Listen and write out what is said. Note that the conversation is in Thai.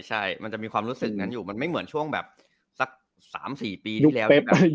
ใช่มันจะมีความรู้สึกอย่างนั้นอยู่มันไม่เหมือนช่วงแบบ๓๔ปีที่แล้ว